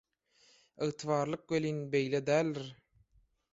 Ygtybarlylyk welin, beýle däldir.